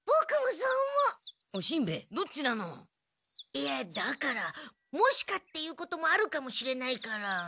いやだからもしかっていうこともあるかもしれないから。